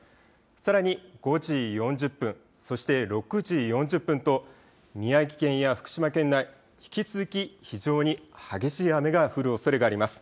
さらに５時４０分、そして６時４０分と、宮城県や福島県内、引き続き非常に激しい雨が降るおそれがあります。